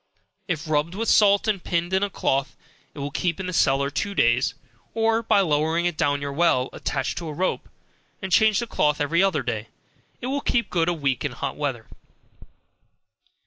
If rubbed with salt, and pinned in a cloth, it will keep in the cellar two days, or by lowering it down your well, attached to a rope, and changing the cloth every other day, it will keep good a week in hot weather.